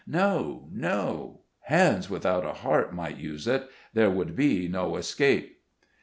No ! no ! hands without a heart might use it — there would be no escape.